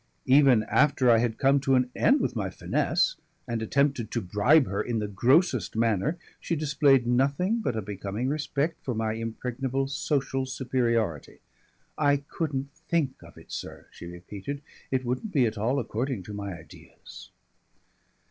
Even after I had come to an end with my finesse and attempted to bribe her in the grossest manner, she displayed nothing but a becoming respect for my impregnable social superiority. "I couldn't think of it, sir," she repeated. "It wouldn't be at all according to my ideas."